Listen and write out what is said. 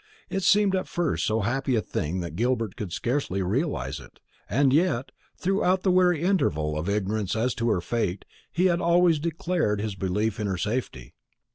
It seemed at first so happy a thing that Gilbert could scarcely realise it; and yet, throughout the weary interval of ignorance as to her fate, he had always declared his belief in her safety.